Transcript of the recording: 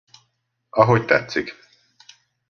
Ahogy tetszik!